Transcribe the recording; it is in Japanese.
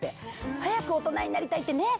「早く大人になりたい」ってねっ？